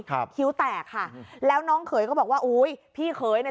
ครับคิวแตกค่ะแล้วน้องเขยก็บอกว่าโอ้ยพี่เขยน่ะ